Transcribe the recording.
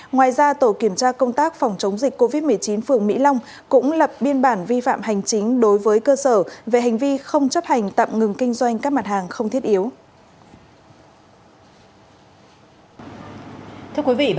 ngoài ra tổ kiểm tra công tác phòng chống dịch covid một mươi chín phường mỹ long cũng lập biên bản vi phạm hành chính đối với cơ sở về hành vi không chấp hành tạm ngừng kinh doanh các mặt hàng không thiết yếu